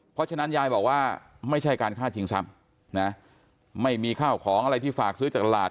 เพราะฉะนั้นยายบอกว่าไม่ใช่การฆ่าชิงทรัพย์นะไม่มีข้าวของอะไรที่ฝากซื้อจากตลาด